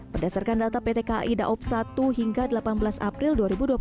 berdasarkan data pt kai daob satu hingga delapan belas april dua ribu dua puluh satu